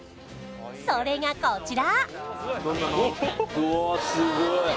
それがこちら！